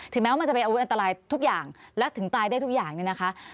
แม้ว่ามันจะเป็นอาวุธอันตรายทุกอย่างและถึงตายได้ทุกอย่างเนี่ยนะคะ